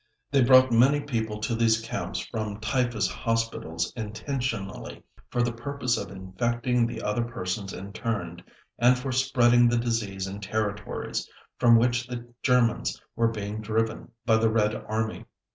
They brought many people to these camps from typhus hospitals intentionally, for the purpose of infecting the other persons interned and for spreading the disease in territories from which the Germans were being driven by the Red Army.